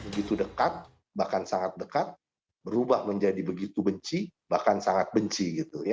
begitu dekat bahkan sangat dekat berubah menjadi begitu benci bahkan sangat benci